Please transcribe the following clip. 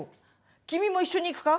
君も一緒にいくか？